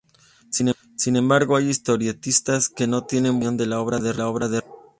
Sin embargo, hay historietistas que no tienen buena opinión de la obra de Raymond.